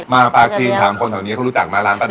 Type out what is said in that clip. มาปลาจีนถามคนแถวนี้เขารู้จักมาร้านปลาไหน